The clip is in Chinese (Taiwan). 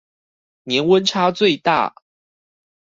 年溫差最大